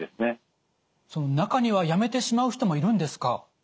中にはやめてしまう人もいるんですか？